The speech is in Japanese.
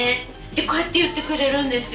こうやって言ってくれるんですよ